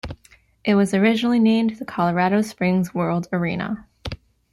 It was originally named the "Colorado Springs World Arena".